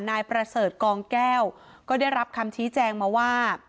นายประเสริฐกองแก้วก็ได้รับคำชี้แจงมาว่า